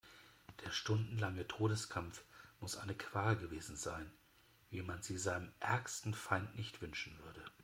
Der stundenlange Todeskampf muss eine Qual gewesen sein, wie man sie seinem ärgsten Feind nicht wünschen würde.